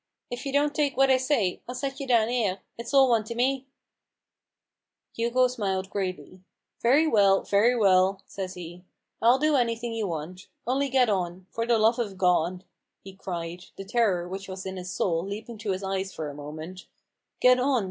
If you don't take what I say, I'll set you down 'ere — it's all one to me !" Hugo smiled grayly* " Very well I very well !" says he. " I'll do an) thing you want. Only get on 1 For the love of God," he cried, the terror which was in his soul leaping to his eyes for a moment, " get on